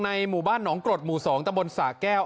หมู่บ้านหนองกรดหมู่๒ตะบนสะแก้ว